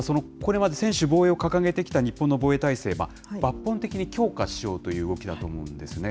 これまで専守防衛を掲げてきた日本の防衛体制、抜本的に強化しようという動きだと思うんですね。